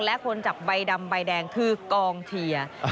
และคนจับใบดำใบแดงคือกองเชียร์